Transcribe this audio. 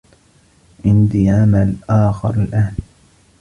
عندي عمل آخر الآن.